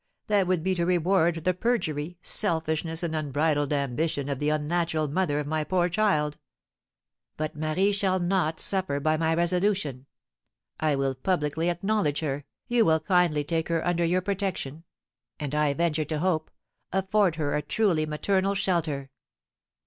That would be to reward the perjury, selfishness, and unbridled ambition of the unnatural mother of my poor child. But Marie shall not suffer by my resolution. I will publicly acknowledge her, you will kindly take her under your protection, and, I venture to hope, afford her a truly maternal shelter."